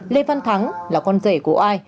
lê văn thắng là con rể của oai